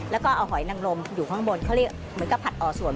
แล้วก็เอาหอยนังลมอยู่ข้างบนเขาเรียกเหมือนกับผัดอ่อส่วน